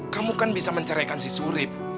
kamu kan bisa menceraikan si surip